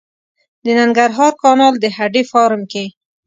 د ننګرهار کانال د هډې فارم کې